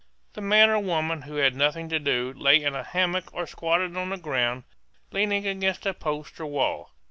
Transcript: The man or woman who had nothing to do lay in a hammock or squatted on the ground leaning against a post or wall.